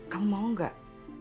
kamu mau gak